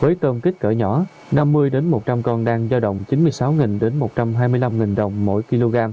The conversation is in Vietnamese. với tôm kích cỡ nhỏ năm mươi một trăm linh con đang giao đồng chín mươi sáu một trăm hai mươi năm đồng mỗi kg